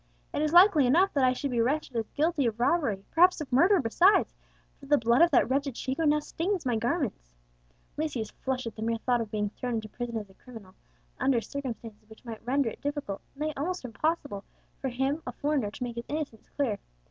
It is likely enough that I should be arrested as guilty of robbery, perhaps of murder besides, for the blood of that wretched Chico now stains my garments!" Lucius flushed at the mere thought of being thrown into prison as a criminal, and under circumstances which might render it difficult nay, almost impossible for him, a foreigner, to make his innocence clear.